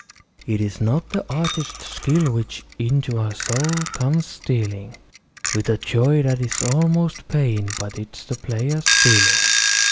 It is not the artist's skill which into our soul comes stealing With a joy that is almost pain, but it is the player's feeling.